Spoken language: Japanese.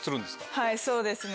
はいそうですね